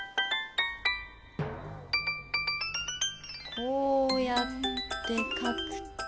こうやってかくと。